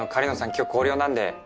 今日校了なんで。